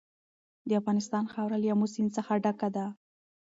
د افغانستان خاوره له آمو سیند څخه ډکه ده.